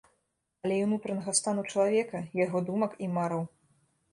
Але і ўнутранага стану чалавека, яго думак і мараў.